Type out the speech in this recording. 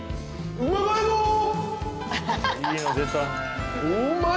うまい！